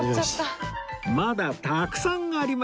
まだたくさんありました